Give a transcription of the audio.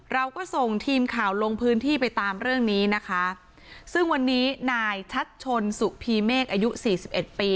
เราก็ส่งทีมข่าวลงพื้นที่ไปตามเรื่องนี้นะคะซึ่งวันนี้นายชัดชนสุพีเมฆอายุสี่สิบเอ็ดปี